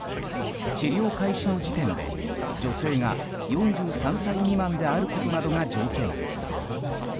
治療開始の時点で女性が４３歳未満であることなどが条件です。